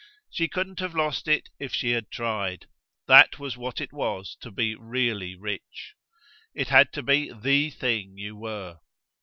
She couldn't have lost it if she had tried that was what it was to be really rich. It had to be THE thing you were.